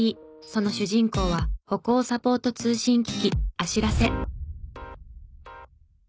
その主人公は歩行サポート通信機器あしらせ。